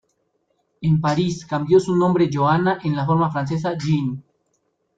En París, cambió su nombre Johanna en la forma francesa, Jeanne.